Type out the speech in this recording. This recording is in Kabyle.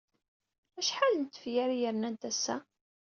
Acḥal n tefyar ay rnant ass-a?